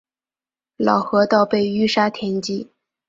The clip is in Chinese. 老河道被淤沙填积。